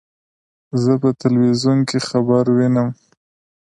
زه په ټلویزیون کې خبر وینم.